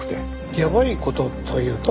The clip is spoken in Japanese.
やばい事というと？